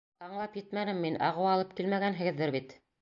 — Аңлап етмәнем мин, ағыу алып килмәгәнһегеҙҙер бит?